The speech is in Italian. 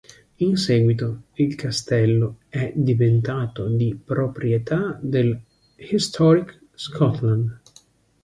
In seguito il castello è diventato di proprietà del "Historic Scotland".